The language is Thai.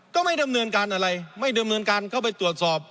ก็ไม่ดำเนินการอะไรไม่ดำเนินการเข้าไปตรวจสอบ